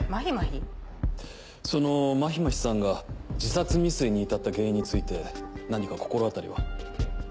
そのまひまひさんが自殺未遂に至った原因について何か心当たりは？